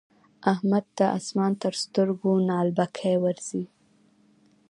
احمد ته اسمان تر سترګو نعلبکی ورځي.